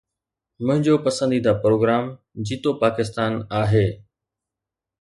منهنجو پسنديده پروگرام جيوتپاڪستان آهي.